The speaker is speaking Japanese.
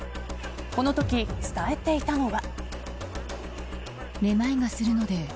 このとき伝えていたのは。